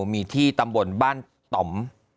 มีที่ตำบลบ้านต่อม